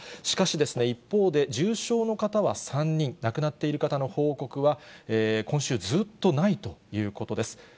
しかし、一方で重症の方は３人、亡くなっている方の報告は、今週ずっとないということです。